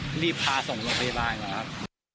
ก็คือรีบพาส่งลงไปบ้านครับ